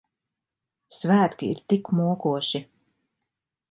Svētki ir tik mokoši.